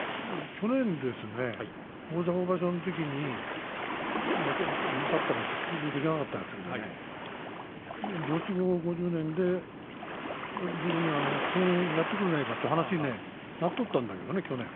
去年、大阪場所のとき結局できなかったんですけど没後５０年で僕に公演やってくれないかという話になっとったんだけどね。